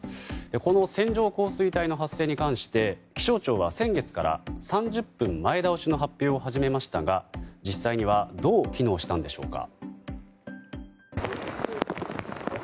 この線状降水帯の発生に関して気象庁は先月から３０分前倒しの発表を始めましたが実際にはどう機能したんでしょうか。